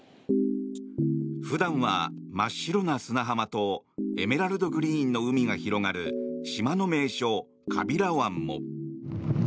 普段は真っ白な砂浜とエメラルドグリーンの海が広がる島の名所、川平湾も。